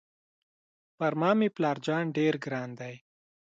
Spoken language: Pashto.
پر ما مې پلار جان ډېر ګران دی.